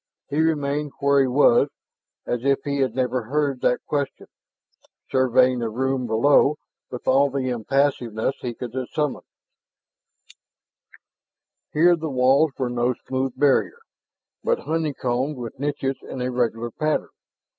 He remained where he was as if he had never "heard" that question, surveying the room below with all the impassiveness he could summon. Here the walls were no smooth barrier, but honeycombed with niches in a regular pattern.